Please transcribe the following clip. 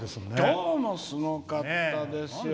今日もすごかったですよ。